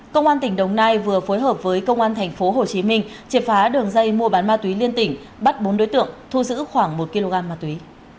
công an tỉnh đồng nai vừa phối hợp với công an thành phố hồ chí minh triệt phá đường dây mua bán ma túy liên tỉnh bắt bốn đối tượng thu giữ khoảng một kg ma túy